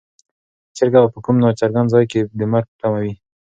چرګه به په کوم ناڅرګند ځای کې د مرګ په تمه وي.